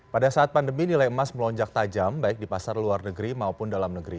pada saat pandemi nilai emas melonjak tajam baik di pasar luar negeri maupun dalam negeri